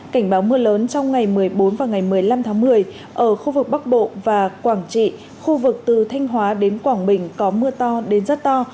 cảnh báo mưa lớn trong ngày một mươi bốn và ngày một mươi năm tháng một mươi ở khu vực bắc bộ và quảng trị khu vực từ thanh hóa đến quảng bình có mưa to đến rất to